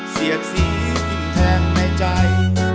เสียดสีทิ้งแทงในใจ